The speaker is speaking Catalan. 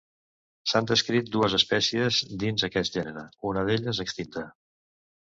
S'han descrit dues espècies dins aquest gènere, una d'elles extinta.